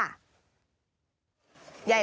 ใหญ่ไหม